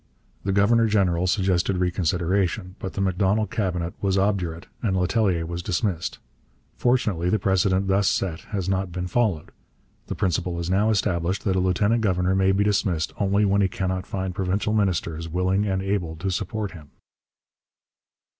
The governor general suggested reconsideration, but the Macdonald Cabinet was obdurate and Letellier was dismissed. Fortunately the precedent thus set has not been followed. The principle is now established that a lieutenant governor may be dismissed only when he cannot find provincial ministers willing and able to support him.